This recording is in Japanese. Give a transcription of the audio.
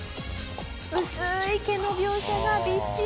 薄ーい毛の描写がびっしり。